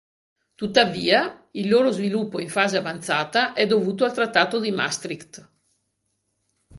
Tuttavia il loro sviluppo in fase avanzata è dovuto al Trattato di Maastricht.